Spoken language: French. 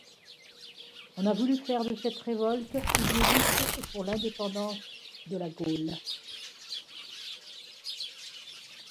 On a voulu faire de cette révolte une lutte pour l’indépendance de la Gaule.